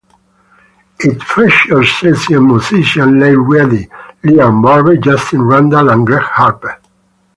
It featured session musicians Iain Reddy, Liam Barber, Justin Randall and Greg Harper.